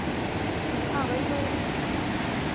Abaibai ra.